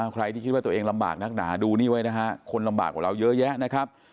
ใครที่คิดว่าตัวเองลำบากนักหนาดูนี่ไว้นะฮะคนลำบากกว่าเราเยอะแยะนะครับ